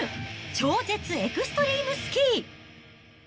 超絶エクストリームスキー。